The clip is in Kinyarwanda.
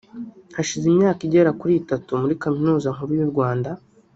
Hashize imyaka igera kuri itatu muri Kaminuza Nkuru y’u Rwanda